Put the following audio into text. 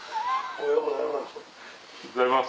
おはようございます。